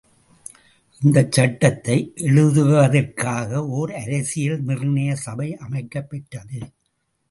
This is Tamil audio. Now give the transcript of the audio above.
அந்தச் சட்டத்தை எழுதுவதற்காக ஓர் அரசியல் நிர்ணய சபை அமைக்கப் பெற்றது.